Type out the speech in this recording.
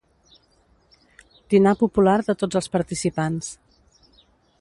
Dinar popular de tots els participants.